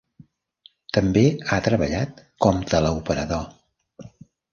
També ha treballat com teleoperador.